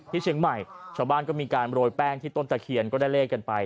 เชียงใหม่ชาวบ้านก็มีการโรยแป้งที่ต้นตะเคียนก็ได้เลขกันไป